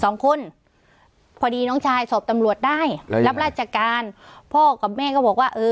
สองคนพอดีน้องชายสอบตำรวจได้เลยรับราชการพ่อกับแม่ก็บอกว่าเออ